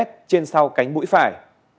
trên sau cánh mũi phải